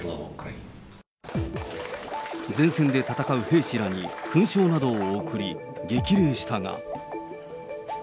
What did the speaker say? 前線で戦う兵士らに勲章などを贈り、激励したが。